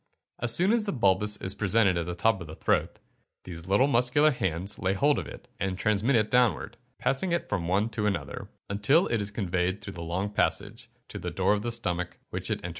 As soon as the bolus is presented at the top of the throat, these little muscular hands lay hold of it, and transmit it downward, passing it from one to another, until it is conveyed through the long passage, to the door of the stomach, which it enters.